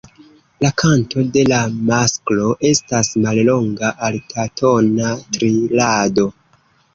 La kanto de la masklo estas mallonga altatona trilado.